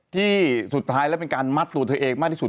ที่สุดท้ายแล้วเป็นการมัดตัวเธอเองมากที่สุด